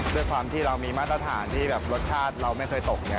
ด้วยความที่เรามีมาตรฐานที่แบบรสชาติเราไม่เคยตกไง